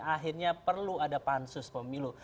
akhirnya perlu ada pansus pemilu